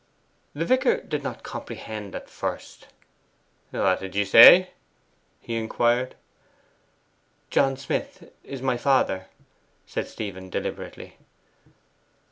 The vicar did not comprehend at first. 'What did you say?' he inquired. 'John Smith is my father,' said Stephen deliberately.